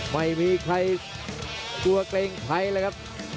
ไม่มีใครกลัวเกรงใครเลยครับ